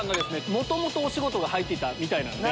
元々お仕事が入っていたみたいなんで。